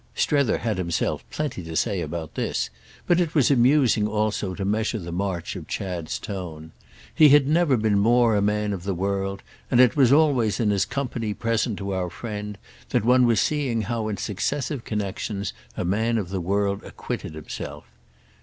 Strether had himself plenty to say about this, but it was amusing also to measure the march of Chad's tone. He had never been more a man of the world, and it was always in his company present to our friend that one was seeing how in successive connexions a man of the world acquitted himself.